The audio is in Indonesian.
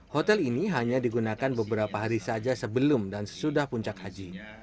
hotel ini hanya digunakan beberapa hari saja sebelum dan sesudah puncak haji